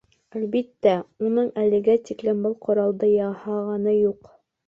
Әлбиттә, уның әлегә тиклем был ҡоралды яһағаны юҡ.